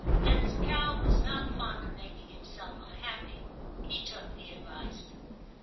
And as Carol was not fond of making himself unhappy, he took the advice.